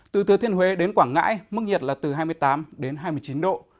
từ thừa thiên huế đến quảng ngãi mức nhiệt là từ hai mươi tám đến hai mươi chín độ